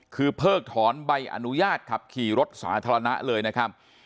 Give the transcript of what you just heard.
คือเพิกถอนใบอนุญาตขับขี่รถสาธารณะเลยนะครับ